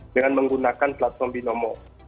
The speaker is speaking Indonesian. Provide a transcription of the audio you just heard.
dengan menggunakan platform binomo